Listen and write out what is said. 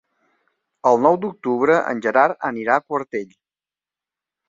El nou d'octubre en Gerard anirà a Quartell.